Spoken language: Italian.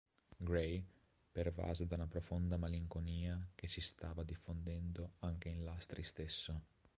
Gray, pervase da una profonda malinconia che si stava diffondendo anche in Lastri stesso.